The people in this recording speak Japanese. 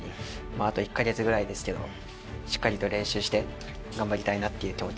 あと１カ月ぐらいですけどしっかりと練習して頑張りたいなっていう気持ちです。